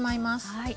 はい。